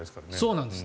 そうなんです。